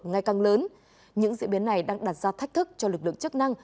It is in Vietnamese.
ngày càng lớn những diễn biến này đang đặt ra thách thức cho lực lượng chức năng